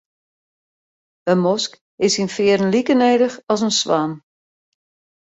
In mosk is syn fearen like nedich as in swan.